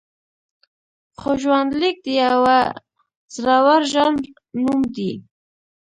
خو ژوندلیک د یوه زړور ژانر نوم دی.